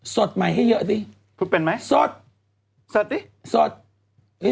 สดหมายให้เยอะ